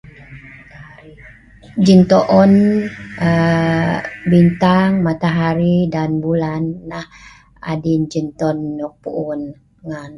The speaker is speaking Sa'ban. Jin toon um bintang, matahari dan bulan nah adin jin toon nok puun ngan